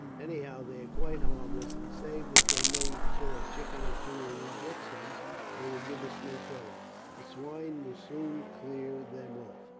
Anyhow they are quite harmless, and save that they may kill a chicken or two when we get some, they will give us no trouble. The swine will soon clear them off."